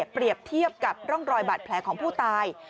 เปรียบเทียบกับร่องรอยบาดแผลของผู้ตาย